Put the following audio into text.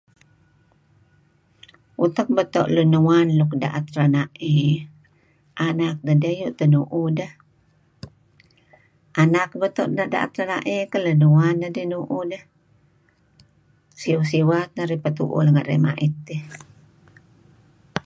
utak beto lunwan luk daat ranae anak deh dih teh nuk nu'uh deh anak beto daat ranae keleh lunwan nuuh deh sewa sewa teh narih petuuh ranga narih mait